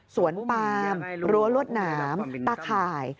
สวนปาล์มรั้วรวดน้ำประค่าย